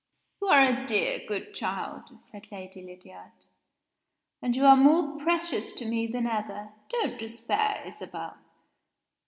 "You are a dear good child," said Lady Lydiard; "and you are more precious to me than ever. Don't despair, Isabel.